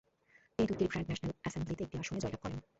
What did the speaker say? তিনি তুর্কির grand national অ্যাসেম্বলিতে একটি আসনে জয়লাভ করেন।